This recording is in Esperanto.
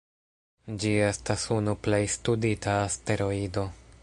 Ĝi estas unu plej studita asteroido.